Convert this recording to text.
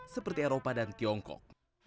seperti eropa dan tiongkok